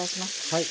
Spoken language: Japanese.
はい。